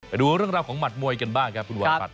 ไปดูเรื่องราวของหัดมวยกันบ้างครับคุณวันปัด